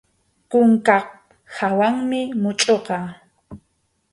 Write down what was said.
Kunkap hawanmi muchʼuqa.